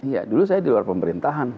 iya dulu saya di luar pemerintahan